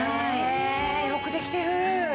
よくできてる。